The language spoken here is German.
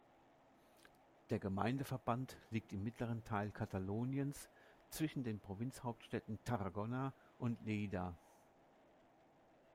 Der Gemeindeverband liegt im mittleren Teil Kataloniens, zwischen den Provinz-Hauptstädten Tarragona und Lleida.